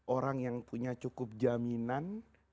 orang yang punya cukup jaminan